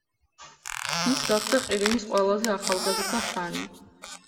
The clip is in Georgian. ის გახდა ყირიმის ყველაზე ახალგაზრდა ხანი.